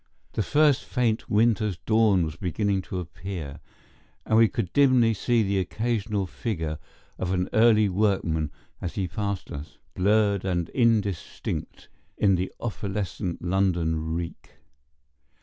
The first faint winter's dawn was beginning to appear, and we could dimly see the occasional figure of an early workman as he passed us, blurred and indistinct in the opalescent London reek.